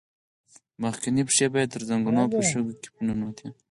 مخکينۍ پښې به يې تر زنګنو په شګو کې ننوتې.